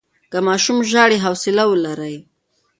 که ماشوم ژاړي، حوصله ولرئ.